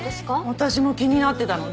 私も気になってたの。